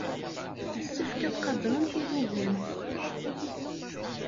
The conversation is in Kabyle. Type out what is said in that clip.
Yessefk ad qadrent ilugan.